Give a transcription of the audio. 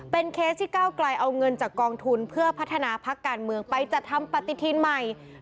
เคสที่ก้าวไกลเอาเงินจากกองทุนเพื่อพัฒนาพักการเมืองไปจัดทำปฏิทินใหม่